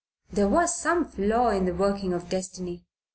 There was some flaw in the working of destiny.